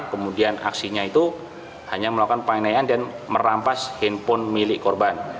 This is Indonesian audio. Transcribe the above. kemudian aksinya itu hanya melakukan pengenaian dan merampas handphone milik korban